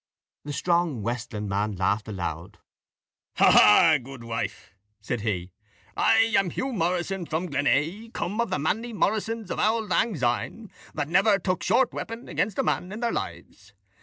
The strong Westlandman laughed aloud. "Goodwife," said he, "I am Hugh Morrison from Glenae, come of the Manly Morrisons of auld langsyne, that never took short weapon against a man in their lives.